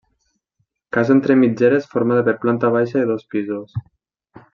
Casa entre mitgeres formada per planta baixa i dos pisos.